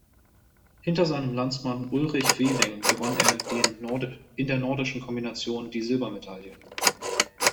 Hinter seinem Landsmann Ulrich Wehling gewann er in der Nordischen Kombination die Silbermedaille.